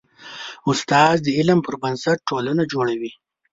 استاد د علم پر بنسټ ټولنه جوړوي.